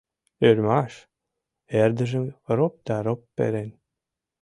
Ӧрмаш! — эрдыжым роп да роп перен.